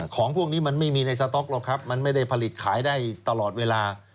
ของพวกนี้มันไม่มีในสต๊อกหรอกครับมันไม่ได้ผลิตขายได้ตลอดเวลา